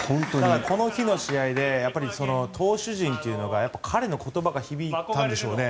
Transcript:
この日の試合で投手陣というのが彼の言葉が響いたんでしょうね。